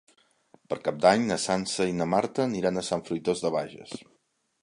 Per Cap d'Any na Sança i na Marta aniran a Sant Fruitós de Bages.